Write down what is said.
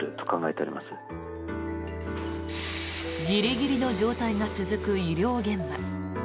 ギリギリの状態が続く医療現場。